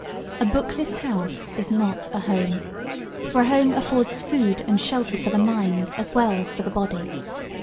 A bookless house is not a home; for a home affords food and shelter for the mind as well as for the body.